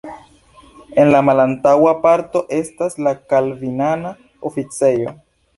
En la malantaŭa parto estas la kalvinana oficejo.